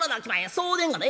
そうでんがな。